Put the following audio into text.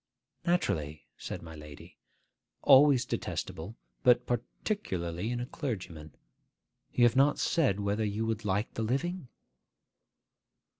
'Naturally,' said my lady. 'Always detestable, but particularly in a clergyman. You have not said whether you will like the living?